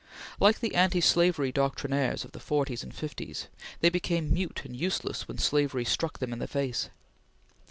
Like the anti slavery doctrinaires of the forties and fifties, they became mute and useless when slavery struck them in the face.